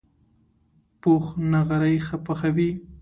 پوخ نغری ښه پخوي